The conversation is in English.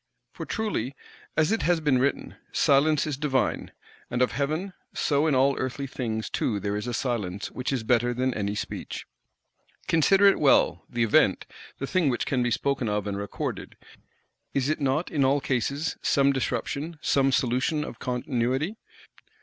For truly, as it has been written, "Silence is divine," and of Heaven; so in all earthly things too there is a silence which is better than any speech. Consider it well, the Event, the thing which can be spoken of and recorded, is it not, in all cases, some disruption, some solution of continuity?